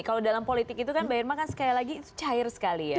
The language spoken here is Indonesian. kalau dalam politik itu kan bayar makan sekali lagi cair sekali ya